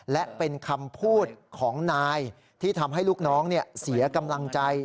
และเป็นคำพูดของนายที่ทำให้ลูกน้องเสียกำลังใจ